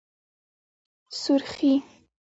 💄سورخي